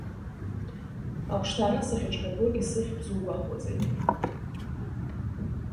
Ахәшҭаара сахьыҽҳәатәоу исыхьп зугәахәуазеи!